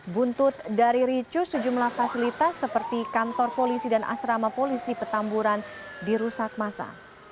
buntut dari ricu sejumlah fasilitas seperti kantor polisi dan asrama polisi petamburan dirusak masa